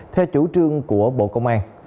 theo chủ trương của bộ công an